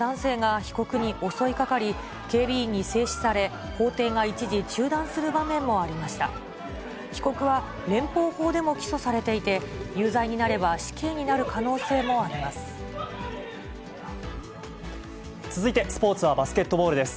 被告は連邦法でも起訴されていて、有罪になれば、死刑になる可能性続いてスポーツはバスケットボールです。